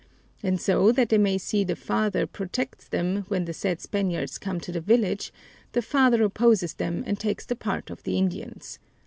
And so that they may see the father protects them, when the said Spaniards come to the village, the father opposes them and takes the part of the Indians.